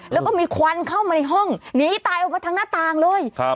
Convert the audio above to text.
แล้วก็มีควันเข้ามาในห้องหนีตายออกมาทางหน้าต่างเลย